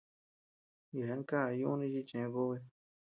Yeabean ká yuni chi chë kúbi.